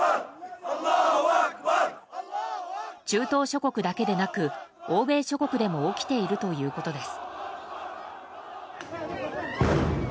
中東諸国だけでなく欧米諸国でも起きているということです。